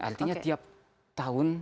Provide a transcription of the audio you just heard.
artinya tiap tahun